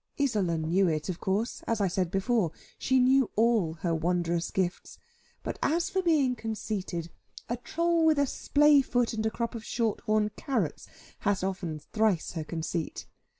Isola knew it of course, as I said before, she knew all her wondrous gifts; but as for being conceited, a trull with a splay foot and a crop of short horn carrots has often thrice her conceit.